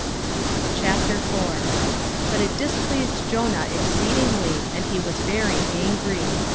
4:1 But it displeased Jonah exceedingly, and he was very angry.